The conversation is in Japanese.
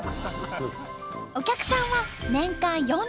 お客さんは年間４０万人。